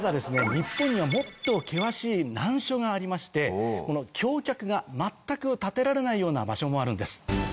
日本にはもっと険しい難所がありまして橋脚が全く建てられないような場所もあるんです。